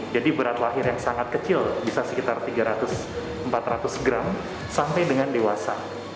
jadi berat lahir yang sangat kecil bisa sekitar tiga ratus empat ratus gram sampai dengan dewasa